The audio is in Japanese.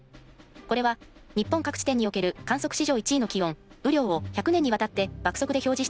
これは日本各地点における観測史上１位の気温・雨量を１００年にわたって爆速で表示していく動画です。